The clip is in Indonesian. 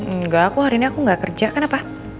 enggak aku hari ini aku gak kerja kenapa